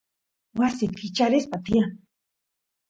wasi kicharispa tiyan